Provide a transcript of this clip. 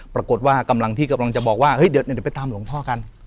ปรากฏว่ากำลังที่กำลังจะบอกว่าเฮ้ยเดี๋ยวไปตามหลวงพ่อกัน